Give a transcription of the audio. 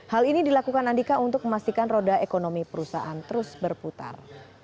hal ini dilakukan andika untuk memastikan roda ekonomi perusahaan terus berputar